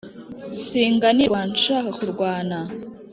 singanirwa nshaka kurwana